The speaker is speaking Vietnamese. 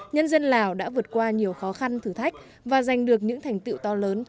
nhân dân lào đã vượt qua nhiều khó khăn thử thách và giành được những thành tựu to lớn